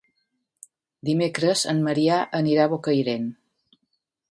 Dimecres en Maria anirà a Bocairent.